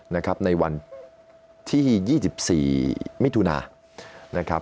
ในวันที่๒๔มิถุนา